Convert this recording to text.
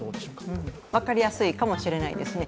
分かりやすいかもしれないですね。